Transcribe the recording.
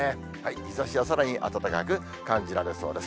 日ざしはさらに暖かく感じられそうです。